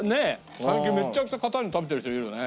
最近めっちゃくちゃ硬いの食べてる人いるよね。